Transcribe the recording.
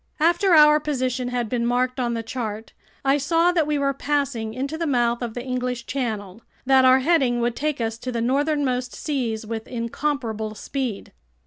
After our position had been marked on the chart, I saw that we were passing into the mouth of the English Channel, that our heading would take us to the northernmost seas with incomparable speed.